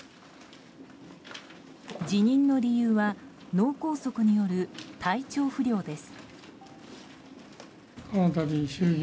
辞任の理由は脳梗塞による体調不良です。